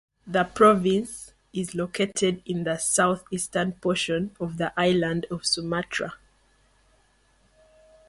The province is located in the southeastern portion of the island of Sumatra.